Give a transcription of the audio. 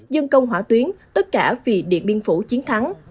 dân công hỏa tuyến tất cả vì điện biên phủ chiến thắng